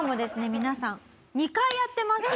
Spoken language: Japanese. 皆さん２回やってます。